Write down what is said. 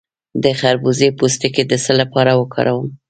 د خربوزې پوستکی د څه لپاره وکاروم؟